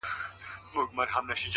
د زړه پاکوالی د فکر صفا زیاتوي